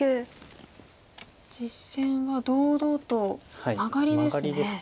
実戦は堂々とマガリですね。